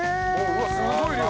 うわっすごい量。